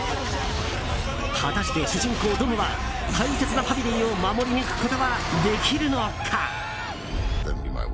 果たして、主人公ドムは大切なファミリーを守り抜くことはできるのか？